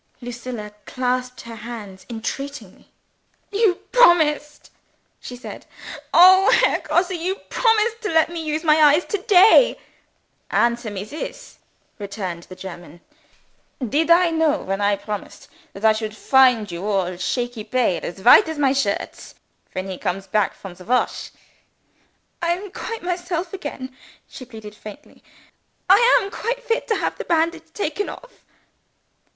Lucilla clasped her hands entreatingly. "You promised!" she said. "Oh, Herr Grosse, you promised to let me use my eyes to day!" "Answer me this!" retorted the German. "Did I know, when I promised, that I should find you all shaky pale, as white as my shirts when he comes back from the wash?" "I am quite myself again," she pleaded faintly. "I am quite fit to have the bandage taken off."